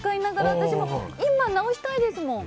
私も今、直したいですもん。